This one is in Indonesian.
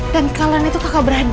dan kalian itu kakak berhadi